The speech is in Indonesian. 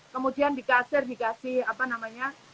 kemudian di kasir dikasih apa namanya